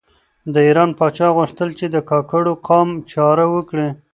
د ایران پاچا غوښتل چې د کاکړو قام چاره وکړي.